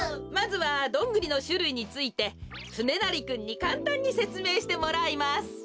まずはどんぐりのしゅるいについてつねなりくんにかんたんにせつめいしてもらいます。